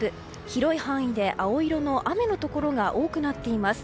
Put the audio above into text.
広い範囲で青色の雨のところが多くなっています。